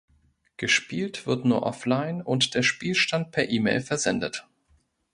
Gespielt wird nur offline und der Spielstand per Email versendet.